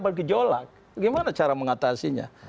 berkejolak gimana cara mengatasi